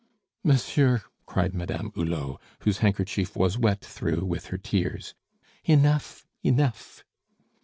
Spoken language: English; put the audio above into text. "Monsieur," cried Madame Hulot, whose handkerchief was wet through with her tears, "enough, enough!"